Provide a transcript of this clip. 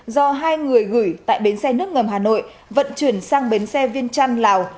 do hai người gửi tại bến xe nước ngầm hà nội vận chuyển sang bến xe viên trăn lào